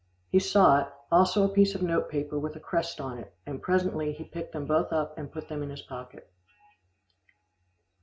He saw it, also a piece of notepaper with a crest on it, and presently he picked them both up and put them in his pocket.